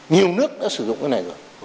nhiều nước đã sử dụng cái này rồi